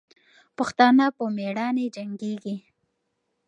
پښتانه په میړانې جنګېږي.